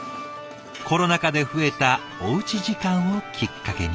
コロナ禍で増えたおうち時間をきっかけに。